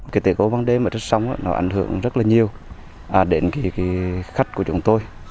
cái tỉnh ồn bằng đêm ở trên sông nó ảnh hưởng rất là nhiều đến khách của chúng tôi